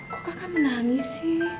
kok kakak menangis